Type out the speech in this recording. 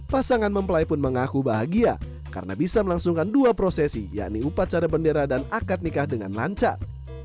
pasangan mempelai pun mengaku bahagia karena bisa melangsungkan dua prosesi yakni upacara bendera dan akad nikah dengan lancar